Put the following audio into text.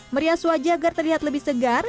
merias wajah agar terlihat lebih segar